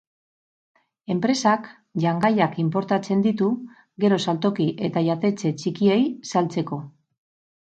Enpresak jangaiak inportatzen ditu, gero saltoki eta jatetxe txikiei saltzeko.